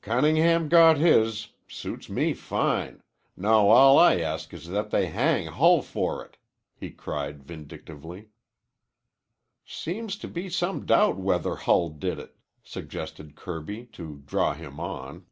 "Cunningham got his! Suits me fine! Now all I ask is that they hang Hull for it!" he cried vindictively. "Seems to be some doubt whether Hull did it," suggested Kirby, to draw him on.